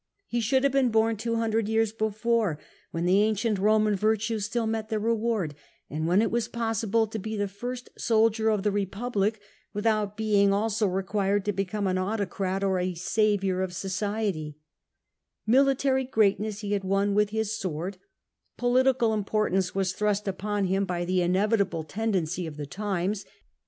He should have been bom two hundred years before, when the ancient Eoman virtues still met their reward, and when it was possible to be the first soldier of theEepublic without being also required to become an autocrat or a '' saviour of society/' Military greatness he had won with his sword; political importance was thrust upon him by the inevitable tendency of the times.